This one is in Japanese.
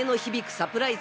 サプライズ